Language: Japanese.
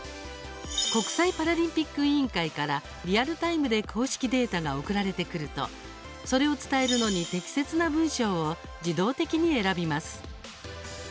国際パラリンピック委員会からリアルタイムで公式データが送られてくるとそれを伝えるのに適切な文章を自動的に選びます。